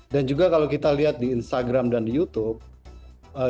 dan juga kalau kita lihat di instagram dan youtube